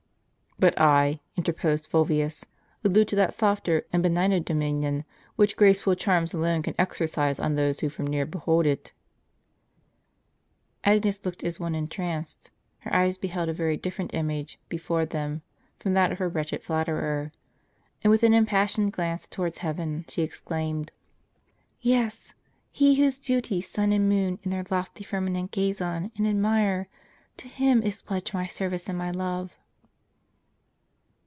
"But I," interposed Fulvius, "allude to that softer and benigner dominion, which graceful charms alone can exercise on those who from near behold them." Agnes looked as one entranced ; her eyes beheld a very ffi diflferent image before them from that of her wretched flat terer; and with an impassioned glance towards heaven, she exclaimed :" Yes, He whose beauty sun and moon in their lofty firma ment gaze on and admire, to Him is pledged my service and my love."